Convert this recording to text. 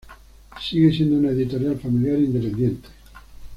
Sigue siendo una editorial familiar independiente.